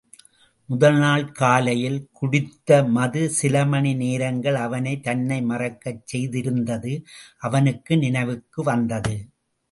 முதல் நாள் காலையில் குடித்த மது சிலமணி நேரங்கள் அவனைத் தன்னை மறக்கச் செய்திருந்தது அவனுக்கு நினைவுக்கு வந்தது.